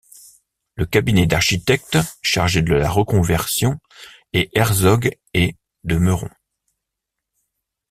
Le cabinet d'architectes chargé de la reconversion est Herzog & de Meuron.